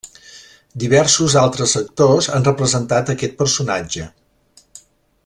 Diversos altres actors han representat aquest personatge.